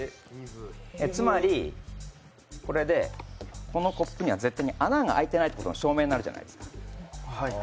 つまり、これでこのコップには絶対穴が開いてないことの証明になるじゃないですか。